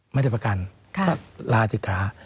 ไม่ได้ประกันก็ลาศิกขา